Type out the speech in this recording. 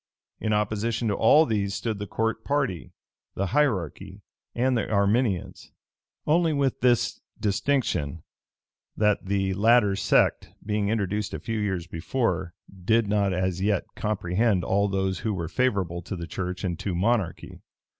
In opposition to all these stood the court party, the hierarchy, and the Arminians; only with this distinction, that the latter sect, being introduced a few years before, did not as yet comprehend all those who were favorable to the church and to monarchy.